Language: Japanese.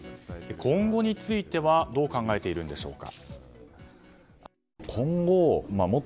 今後についてはどう考えているんでしょうか？